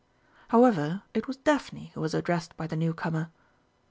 However, it was Daphne who was addressed by the new comer.